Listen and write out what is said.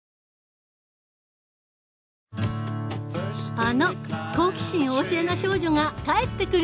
あの好奇心旺盛な少女が帰ってくる！